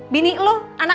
bini lu anak mak